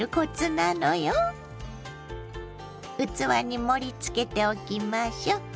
器に盛りつけておきましょ。